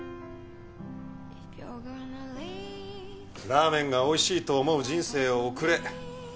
「ラーメンが美味しいと思う人生を送れ」。